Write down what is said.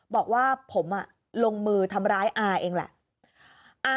บอกว่าผมลงมือทำร้ายอาเองแหละ